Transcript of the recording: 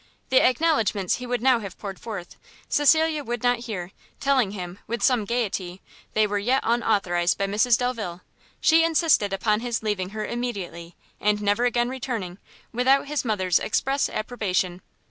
The acknowledgments he would now have poured forth, Cecilia would not hear, telling him, with some gaiety, they were yet unauthorized by Mrs Delvile. She insisted upon his leaving her immediately, and never again returning, without his mother's express approbation.